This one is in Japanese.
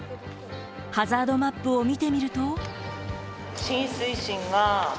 ハザードマップを見てみると。